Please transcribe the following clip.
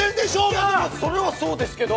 いやそれはそうですけど。